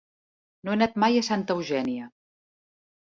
No he anat mai a Santa Eugènia.